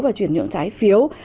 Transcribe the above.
và chuyển nhượng trái phiếu